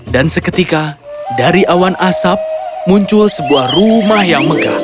dan seketika dari awan asap muncul sebuah rumah yang megah